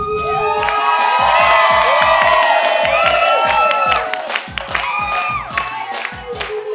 อารมณ์เสีย